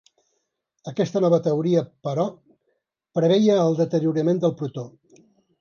Aquesta nova teoria, però, preveia el deteriorament del protó.